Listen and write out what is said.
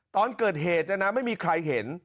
ตอนเกิดเหตุนะนะไม่มีใครเห็น